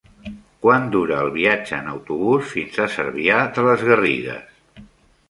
Quant dura el viatge en autobús fins a Cervià de les Garrigues?